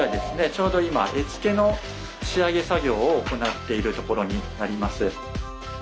ちょうど今絵付けの仕上げ作業を行っているところになります。